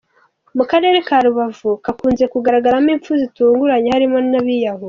Mu Karere ka Rubavu kakunze kugaragaramo impfu zitunguranye harimo n’abiyahura.